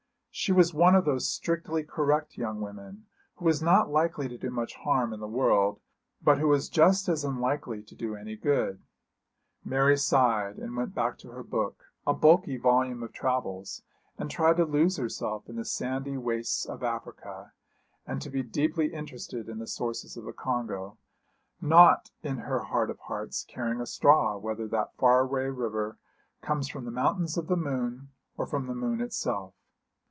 She was one of those strictly correct young women who was not likely to do much harm in the world but who was just as unlikely to do any good. Mary sighed, and went back to her book, a bulky volume of travels, and tried to lose herself in the sandy wastes of Africa, and to be deeply interested in the sources of the Congo, not, in her heart of hearts, caring a straw whether that far away river comes from the mountains of the moon, or from the moon itself.